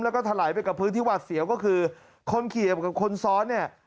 แล้วก็ถลายไปกับพื้นที่หวัดเสียวก็คือคนขี่กับคนซ้อนเนี่ย